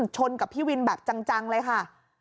ชนกับพี่วินแบบจังเลยค่ะ